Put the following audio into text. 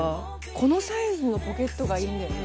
このサイズのポケットがいいんだよね。